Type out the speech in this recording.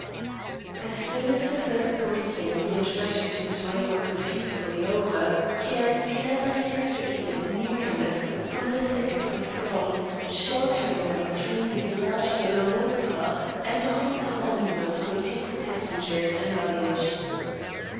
As soon as the first greeting and the introduction to Miss Ray were confusedly over, Caird cleverly extricated the newcomers from the thick of the throng, sheltering them between his large yellow motor car and a hotel omnibus waiting for passengers and luggage.